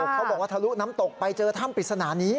เขาบอกว่าทะลุน้ำตกไปเจอถ้ำปริศนานี้